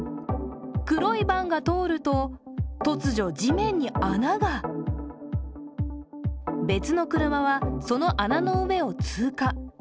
黒いバンが通ると、突如地面に穴が別の車はその穴の上を通過。